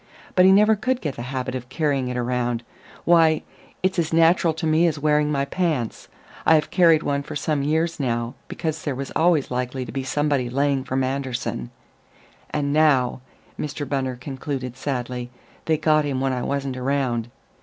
But he never could get the habit of carrying it around. Why, it's as natural to me as wearing my pants. I have carried one for some years now, because there was always likely to be somebody laying for Manderson. And now," Mr. Bunner concluded sadly, "they got him when I wasn't around.